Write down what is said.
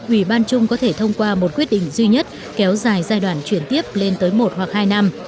ủy ban chung có thể thông qua một quyết định duy nhất kéo dài giai đoạn chuyển tiếp lên tới một hoặc hai năm